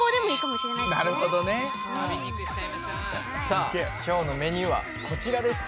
さあ今日のメニューはこちらです。